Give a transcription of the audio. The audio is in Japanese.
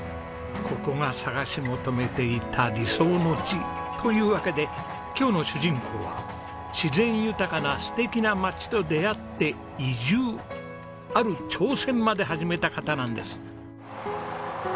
ここが探し求めていた理想の地。というわけで今日の主人公は自然豊かな素敵な町と出会って移住ある挑戦まで始めた方なんです。